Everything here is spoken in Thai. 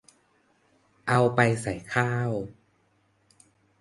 เอาไปใส่ข้าว